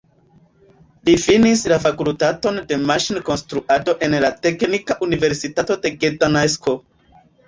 Li finis la Fakultaton de Maŝin-Konstruado en la Teknika Universitato de Gdansko.